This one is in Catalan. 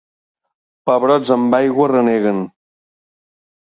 Pebrots amb aigua reneguen.